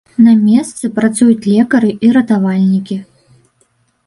На месцы працуюць лекары і ратавальнікі.